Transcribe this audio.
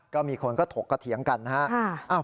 ก็มีคนก็ถกกะเถียงกันฮะ